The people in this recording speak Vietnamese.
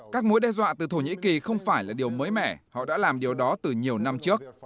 các mối đe dọa từ thổ nhĩ kỳ không phải là điều mới mẻ họ đã làm điều đó từ nhiều năm trước